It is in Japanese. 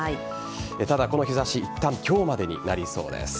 ただ、この日差しいったん今日までになりそうです。